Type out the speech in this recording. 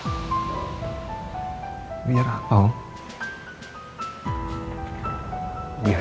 biar aku bisa menerima apa yang kamu ngasih itu